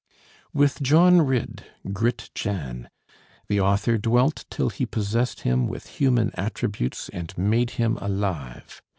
With John Ridd, "Grit Jan" the author dwelt till he possessed him with human attributes and made him alive.